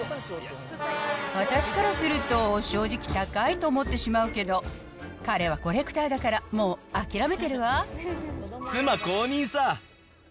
私からすると、正直高いと思ってしまうけど、彼はコレクターだから、妻公認さ。